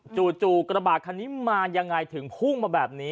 จู่กระบาดคันนี้มายังไงถึงพุ่งมาแบบนี้